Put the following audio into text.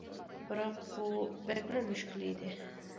بىراق بۇ بەكمۇ مۈشكۈل ئىدى.